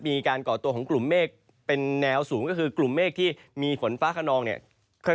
ก่อตัวของกลุ่มเมฆเป็นแนวสูงก็คือกลุ่มเมฆที่มีฝนฟ้าขนองเนี่ย